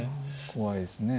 怖いですね。